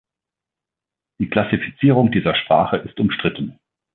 Die Klassifizierung dieser Sprache ist umstritten.